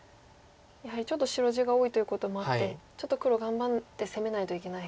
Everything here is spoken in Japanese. やはりちょっと白地が多いということもあってちょっと黒頑張って攻めないといけない。